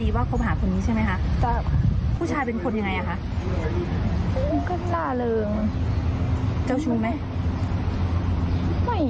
แต่เราก็เข้าใจถึงเค้าเพราะว่าเค้าไม่เคยทำร้ายผู้หญิง